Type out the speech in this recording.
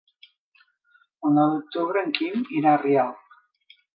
El nou d'octubre en Quim irà a Rialp.